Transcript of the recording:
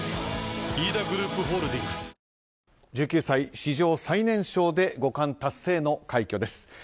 １９歳、史上最年少で五冠達成の快挙です。